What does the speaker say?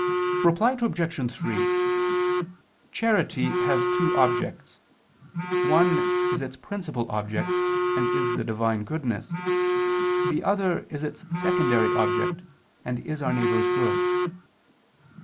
Reply Obj. 3: Charity has two objects; one is its principal object and is the Divine goodness, the other is its secondary object and is our neighbor's good.